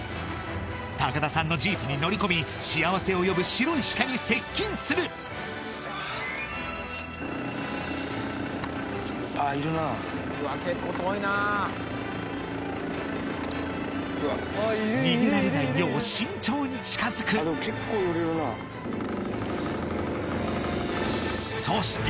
田さんのジープに乗り込み幸せを呼ぶ白いシカに接近するああいるなあ逃げられないよう慎重に近づくでも結構寄れるなそして